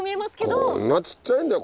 こんな小っちゃいんだよ